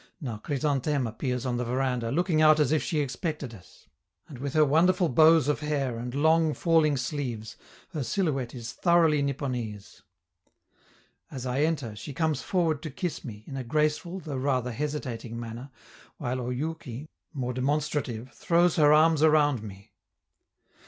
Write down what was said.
Now Chrysantheme appears on the veranda, looking out as if she expected us; and with her wonderful bows of hair and long, falling sleeves, her silhouette is thoroughly Nipponese. As I enter, she comes forward to kiss me, in a graceful, though rather hesitating manner, while Oyouki, more demonstrative, throws her arms around me.